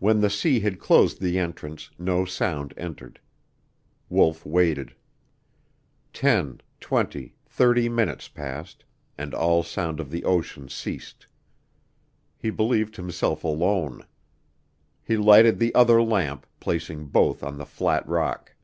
When the sea had closed the entrance, no sound entered. Wolf waited. Ten, twenty, thirty minutes passed, and all sound of the ocean ceased. He believed himself alone. He lighted the other lamp, placing both on the flat rock.